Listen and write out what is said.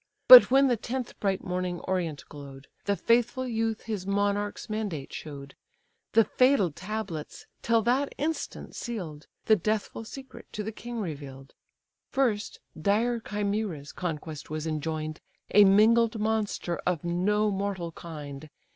But when the tenth bright morning orient glow'd, The faithful youth his monarch's mandate show'd: The fatal tablets, till that instant seal'd, The deathful secret to the king reveal'd. First, dire Chimaera's conquest was enjoin'd; A mingled monster of no mortal kind!